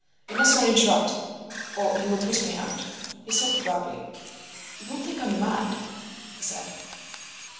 You must not interrupt or you will put me out." He stopped abruptly. "You won't think I'm mad?" he said.